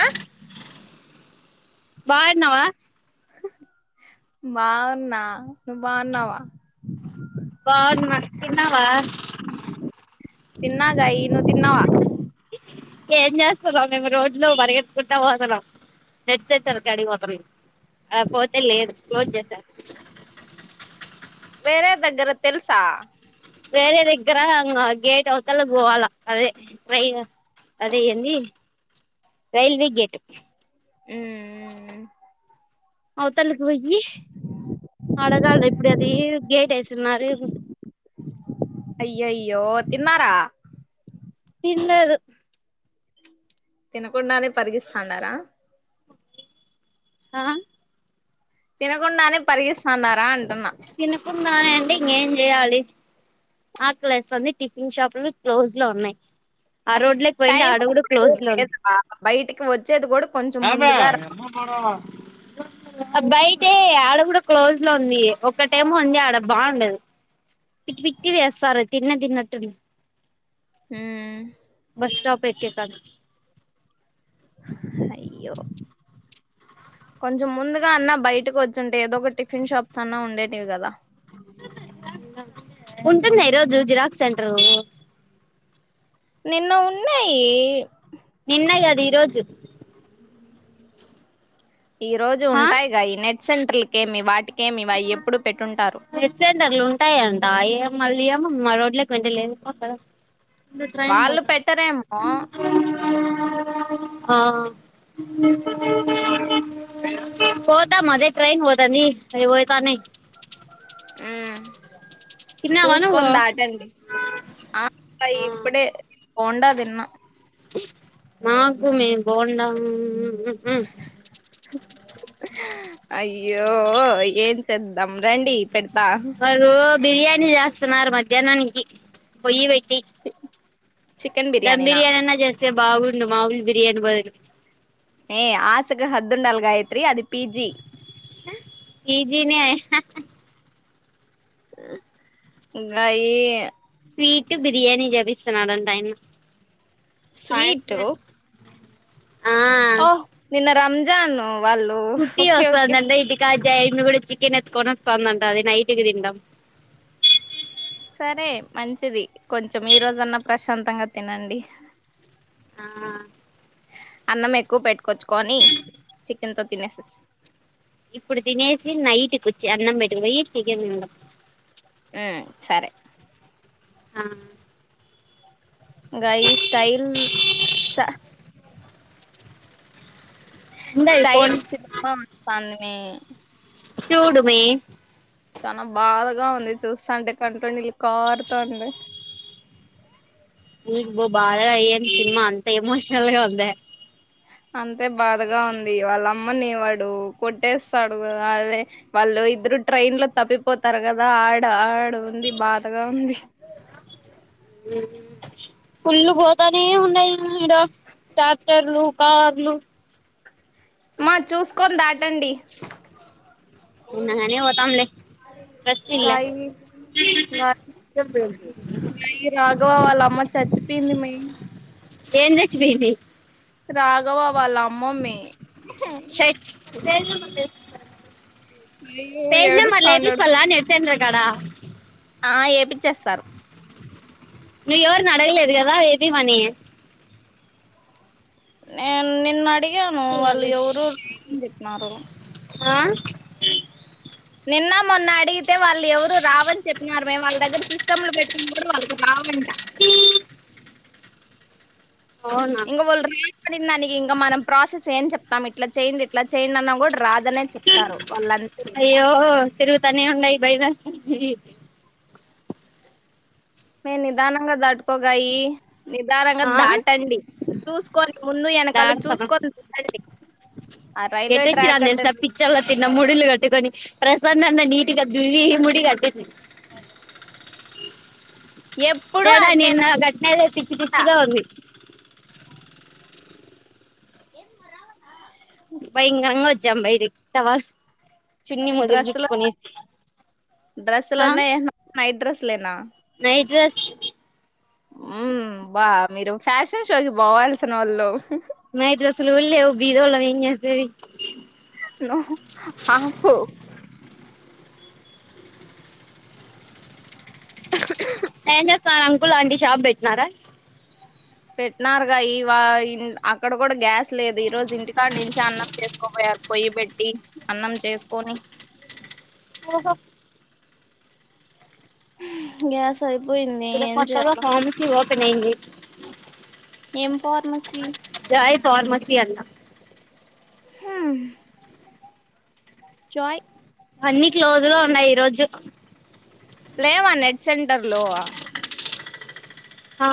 ఆ బాన్నవా హ్‌ హ్ హ్ బావున్నా నువ్వు బావున్నవా బావున్నా తిన్నరా తిన్నాగా నువ్ తిన్నావా ఏం చేస్తున్నాం మేము రోడ్లో పరుగెత్కుంటా పోతన్నాం నెట్ సెంటర్ కాడి ఆ పోతే లేదు క్లోజ్ చేసారు వేరే దగ్గర తెలుసా వేరే దగ్గర గేట్ అవతల పోవాలా అదే ట్రైన్ అదే ఏంది రైల్వే గేట్ ఉమం అవు తలకి పోయి అడగాలి ఇప్పుడు అది గేట్ వేస్తున్నారు అయ్యో అయ్యో తిమారా తినలేదు తినకుండానే పరిగిస్తాన్నారా ఆ తినకుండానే పరిగెత్తునారా తినకుండానే ఇంకేం చేయాలి ఆకలి వేస్తుంది టిఫిన్ షాప్లు క్లోజ్ లో ఉన్నాయి ఆ రోడ్ లోకి పోయిడి టైం ఆడ కూడా ఇప్పుడు క్లోజ్ లో ఉంది లేదా బయటికి వచ్చేది కూడా కొంచెం ఏమే ముందుగా రా ఏంది గొడవ బయట ఆడ కూడా క్లోజ్ లో ఉంది ఒక్క టైం ఉంది ఆడ బాగుండదు పిట్టి పిట్టివి వేస్తారు తిన్న తిన్నట్ హ్మ్మ్ బస్ స్టాప్ ఏటే కానీ అయ్యో కొంచెం ముందుగా అన్నా బయటకు వచ్చుంటే ఏదో ఒక టిఫిన్ షాప్స్ అన్నా ఉండేటివి కదా ఉంటుంద ఈరోజు జిరాక్స్ సెంటరు నిన్న ఉన్నాయి నిన్న కాదు ఈరోజు ఈ రోజు ఉంటాయి ఈ నెట్ సెంటర్క ఏమి వాటికి నాట్సెంటర్లు ఉంటాయంట ఏమో మళ్ళీ అమ్మ మా రోడ్లే వెంట లేదుక్కడ ఇ ట్రైన్ వాళ్ళు పోతంది పెట్టరేమో ఆ పోతమా వే ట్రైన్ పోతంది అది పోతనే హ్మ్మ్ తిన్నావా నువ్వు చూసుకొని దాటండి ఆ ఆ ఇప్పుడే పోండదిన్న నాకు మే బోండా అయ్యో ఏం చేద్దాం రండి పెడతా వారు బిర్యానీ చేస్తున్నారు మధ్యాహ్నానికి పొయ్యి పెట్టి చికెన్ ధమ్ బిర్యానీనా బిర్యానీ అనా చేస్తే బాగుండు మాములు బిర్యానీ బదులు మే ఆసకు హద్దు హద్దు ఉండాలి గాయిత్రీ అది పిజి పీజీ నే గాయి స్వీట్ బిర్యానీ చూపిస్తున్నాడట ఆ యన్నా ఓ నిన్న రంజాన్ వాళ్ళు కుట్టి ఓకే వస్తంది ఓకే అంట ఇంటికాడ ఇమి కూడా చికెన్ ఎతుకొని వస్తుందంట అది నైట్కి తింటాం సరే మంచిది కొంచెం ఈ రోజన్నా ప్రశాంతంగా తినండి ఆ అన్నం ఎక్కువ పెట్టుకొచ్చుకని చికెన్ తో తినేసే ఇప్పుడు తినేసి నైట్కి వచ్చి అన్నం పెట్టకాపోయి ఉ సరే ఆ గయి స్టైల్ స్ట ఉండది స్టైల్ పోనీ సినిమా కావాలనే చూడుమే చాలా బాధగా ఉంది చూస్తా అంటే కంటిలో నీళ్ళు కారుత ఉన్నాయి ఇ బ బాగా అయ్యన్ సినిమా అంత ఎమోషనల్గా ఉంద అంతే బాధగా ఉంది వాళ్ళ అమ్మని వాడు కొట్టేస్తాడు కదా అదే వాళ్ళు ఇద్దరు ట్రైన్ లో తప్పిపోతారు కదా ఆడ ఆడు ఉంది బాధగా ఉంది అ పుల్ళగా పోతనే ఉన్నాయి ఇడ ట్రాక్టర్లు కార్లు మా చూసుకొని దాటండి చిన్నగానే పోతంలే రెస్ట్ ఇల్ల య రాఘవ వాళ్ళ అమ్మ చచ్చిపోయింది మే ఏం రచ్చి బిబి రాఘవ వాళ్ళ మమ్మీ చై [unintelligible] అయ్యో పేజ్ నెంబర్ మళ్లే ఏడుస్తాండాడు [unintelligible] గడ ఆ ఏపిచ్చేస్తారు నువ్వు ఎవరిని అడగలేదు కదా ఏపి మనీి నిన్ నిన్ను అడిగాను వాళ్ళు ఎవరు [unintelligible] అని చెప్పినారు ఆ నిన్న మొన్న అడిగితే వాళ్ళు ఎవరు రావని చెప్పినన్నారు మే వాళ్ళ దగ్గర సిస్టమ్లు పెట్టుకున్నప్పుడు వాళ్ళకి రావం ఈ ఇంకా వాళ్ళు రాడి దానికి ఇంకా మనం ప్రాసెస్ ఏం చెప్తాం ఇట్లా చేయండి ఇట్లా చేయండి అన్న కూడా రాద్ ఏదనే చెప్తారు వాళ్ళంతే ఇంగ తనే ఉన్నాయ్ బైదస్ మే నిదానంగా దాట్టుకోగాయి నిదానంగా ఆ దాటండి చూసుకొని ముందు వెనకాల చూసుకొని దటండి ఎట్టోచ్చినన్ తెల్సా పిచ్చోళ్ల తిన్న ముడులు కట్టుకొని ప్ర స నన్న నిటికి దువ్వి ముడిగట్ ఎప్పుడు జెడా నిన్న అంతేనా గట్న పిచ్చి పిచ్చిగా ఉంది ఏం మరావాల భయం కరంగా వచ్చాము బయటికి టావాష్ డ్రెస్లో ఆ డ్రెస్లోనే నైట్ డ్రెస్ లేనా నైట్ డ్రెస్ హుమ్ బా మీరు ఫ్యాషన్ షోకి పోవాల్సినోళ్ళు నైట్ డ్రెస్ లు కూడ లెవ్ బీరువాలో ఎం చేస్తివి నువ్ఆపు ఏం చేస్తున్నారు అంకుల్ అంటి షాప్ పెట్టినారా పెట్టినారుగా ఇ వ ఇ అక్కడ కూడా గ్యాస్ లేదు ఈ రోజు ఇంటికాన్నుచ్చే అన్నం చేస్ కొపోయారు పొయ్యి పెట్టి అన్నం చేసుకొని ఓహో గ్యాస్ అయిపోయింది ఇక్కడ ఏం కొత్తగా చేయాల ఫార్మసీ ఓపెన్ అయింది ఏం ఫార్మసీ జాయ్ ఫార్మసి అంట హుమ్ జాయ్ అన్నిీ క్లోజ్ లో ఉన్నాయి ఈరోోజు లేవా నెట్ సెంటర్ లు ఆ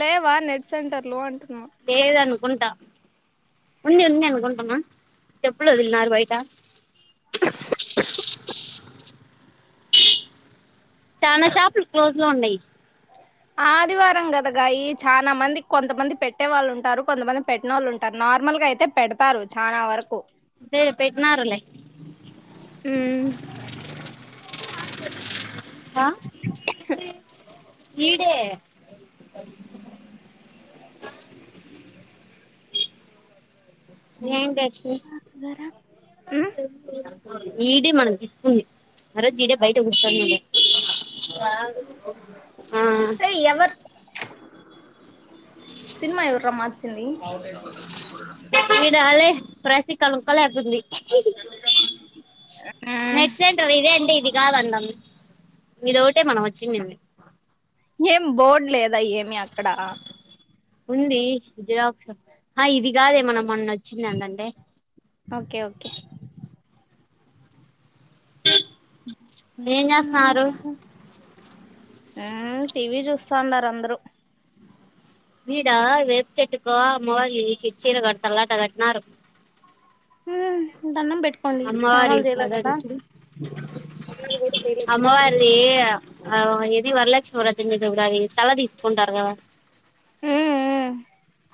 లేవా నెట్ సెంటర్లు అం లేేదను గుంటా ఉంది ఉంది అనుకుంటున్న చెప్పులు ఒదిలిన్నారుా బయటా చానా షాపులు క్లోజ్ లో ఉన్నాయి ఆదివారం కదాగాయి చాలా మంది కొంతమంది పెట్టే వాళ్ళు ఉంటారు కొంతమంది పెట్టనోళ్ళు ఉంటారు నార్మల్ లుగా అయితే పెడతారు చానా వరకు ఏ పెట్నాారులే హుమ్ ఆ ఈడే మీరు ఎం చేస్తి పెడతారా ఈడే మనం తిసుకుంది ఆ రోజు ఈడే బయట కురచ్చునంగా ఆగు హ్మ్ రేయ్ ఎవరు సినిమా ఎవర్రా మార్చింది నెక్ సీట్ ఇందెంది ఇది కాదండం ఇదోటే మనం వచ్చిందండి ఏం బోర్డు లేదా ఏమి అక్కడ ఉంది జిరాక్స్ ఆ ఇది కాదే మనం మొన్న వచ్చిందందంటే ఓకే ఓకే ఏం పైసా చేస్తున్నారు లలో ఆ టీవీ చూస్తా ఉండారు అందరూ వీడా వెపసేట్టుకో అమ్మవారు కి చీర కడతంలే అట్లా కట్టినారు హ్మ్ అమ్మవారి కాదా నువ్ చూడు అమ్మవారిది ఆ ఏది వరలక్ష్మీ వ్రతం చేసినప్పుడు తల తీసుకుంటారు కదా ఉహ్ ఉహ్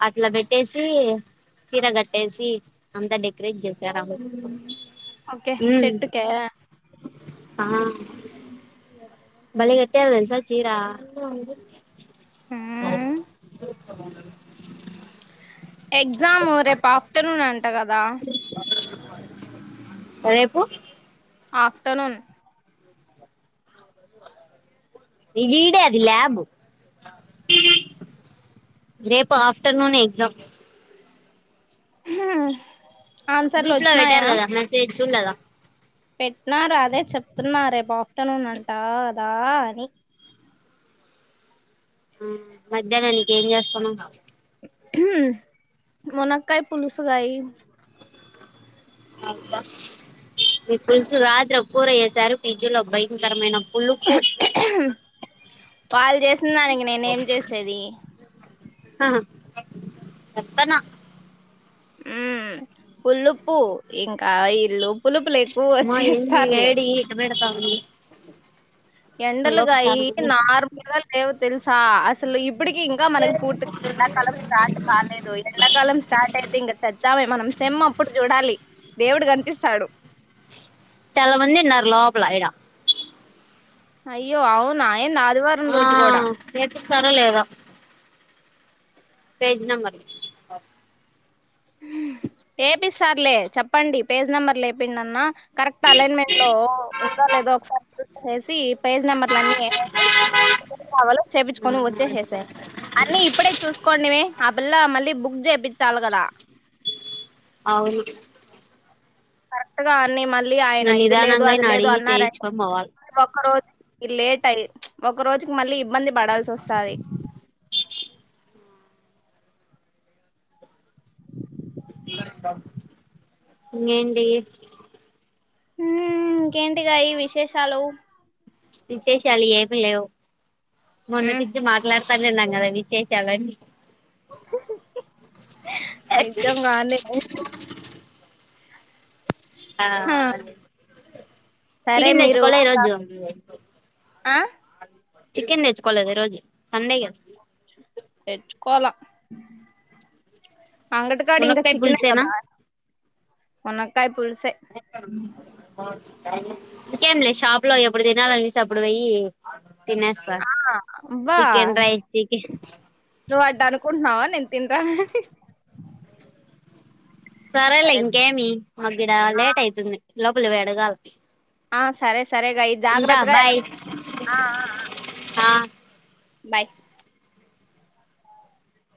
అట్లా పెట్టేసి చీర కట్టేసి అంతా డెకరేట్ చేసారు ఆ చెట్టుకు ఓకే చెట్టుకా ఆ బలేకట్టార్ తెలుసా చీరా మ్మ్ ఎగ్జాము రేపు ఆఫ్టర్నూన్ అంట కదా రేపు ఆఫ్టర్నూన్ ఈడ అది ల్యాబ్ రేపు ఆఫటర్నూనే ఎగ్జామ్ హు హ్ గ్రూప్ లో పెట్టారు కదా మెసేజ్ చూడ్లేదా పెట్టినార్ అదే చెప్తున్నా రేపు ఆఫ్టర్నూన్ అంటా కదా అని హ్మ్ మధ్యాహ్నానికి ఏం చేస్తున్నావ్ మునక్కాయి పులుసు గై అబ్బా మీ పులుసు రాత్రి ఒక్ కూర చేసారు పిజిలో భయంకరమైన పులుపు వాళ్ చేసిన్దానికి నేనే ఏం చేసేది ఆ చెప్పతాన ఉమ్ పులుపు ఇంకా ఇల్లు పులుపులు ఎక్కువగా ఛేస్తారులే క్వీ ఎండల గాయికి నార్మల్ గా లేవు తెలుస్ సా అసలు ఇప్పుటికి ఇంకా మనకు పూర్తిగా ఎండాకాలం స్టార్ట్ కాలేదు ఎండాకాలం స్టార్ట్ అయితే ఇం ఇంకా చచ్చామే మనం సేమ్ అప్పుడు చూడాలే దేవుడు కనిపిస్తాడు చాలా మందిన్నారు లోపలా ఇడా అయ్యో అవునా ఎందా ఆ ఆ నేర్పిస్తారో లేదా పేజ్ నంబర్ ఏపిస్తార్లే చెప్పండి పేజ్ నెంబర్ లేపిండన్న కరెక్ట్ అలైన్మెంట్ లో ఉందా లేదొ ఒకసారి చూసెసి పేజ్ నెంబర్లన్ని ఎసేసి కావాలో చేపించుకొని వచ్చేసేయి అన్ని ఇప్పుడే చూసుకోండిమే ఆ పిల్ల మళ్ళీ బుక్ చే పించాలి కదా అవును కరెక్ట్ గా అన్ని మళ్ళీ ఆయన నువ్వు ఇది లేదు నిదానంగా అది ఆయన లేదు అడిగి అన్నారంట చేయించుకొని పోవాలి ఒక్క రోజు ఇ లేట్ అయి ప్చ్ ఒక రోజుకి మళ్ళీ ఇబ్బంది పడాల్సి వస్తాది ఇంకేంటి ఊమ్ ఇంకేంటిగాయి విశేషాలు విశేషాలు ఏమి లేవ్ హ్మ్ మొన్నటిచ్చి మాట్లాడుత పన్నింనంగదా విశేషాలన్ని ఉహ్ హ్ నిజంగానే ఆ హా అదే సరే చికెన్ మీరు తెచ్చుకోలె ఈ రోజు ఆ చికెన్ తెచ్చకోలేదు ఈ రోజు సండేగద తెచ్చుకోల అంగటికాడ ఇంక మునక్కాయ చికెనె పులుసేనా కదా మునక్కాయ పులుసే ఇంకేం లే షాప్ లో ఎప్పుడు తినాలనిపిస్తే అప్పుడు పోయి తినేస్తా ఆ అబ చికెన్ రైస్ చికెన్ నువ్ వట్ట అనుకుంటున్నవన్ నేన్ తింటా హహ్ సరే లె ఇంకేమి మాగీడ లేట్ అవుతుంది లోపలి పోయి అడగాల ఆ సరే సరేగా ఈ ఉంట జాగ్రత్తగా బాయ్ ఎళ్ళండి. ఆ బయ్